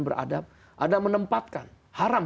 beradab ada menempatkan haram